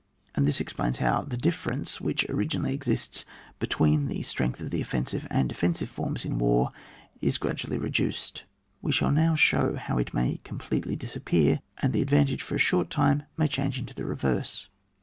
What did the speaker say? And this explains how the difference which originally exists between the strength of the offensive and defensive forms in war is gradually reduced. We shall now show how it may completely disappear, and the advantage for a short time may change into the reverse.